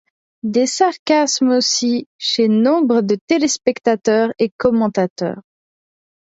Des sarcasmes aussi chez nombre de téléspectateurs et commentateurs.